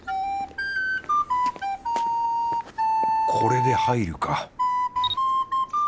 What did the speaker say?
これで入るか